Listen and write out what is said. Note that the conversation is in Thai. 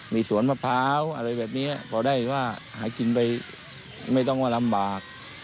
มีสวนมะพร้าวอะไรแบบนี้พอได้ว่าหากินไปไม่ต้องว่าลำบาก